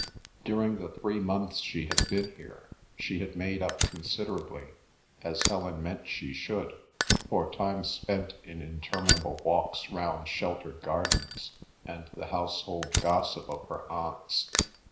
During the three months she had been here she had made up considerably, as Helen meant she should, for time spent in interminable walks round sheltered gardens, and the household gossip of her aunts.